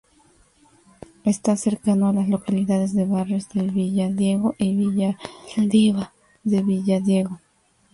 Está cercano a las localidades de Barrios de Villadiego y Villalbilla de Villadiego.